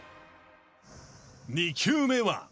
［２球目は］